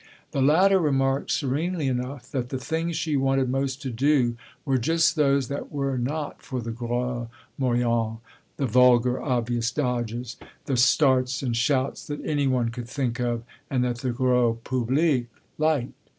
The latter remarked, serenely enough, that the things she wanted most to do were just those that were not for the gros moyens, the vulgar obvious dodges, the starts and shouts that any one could think of and that the gros public liked.